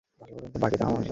দেখ নিজের অবস্থা।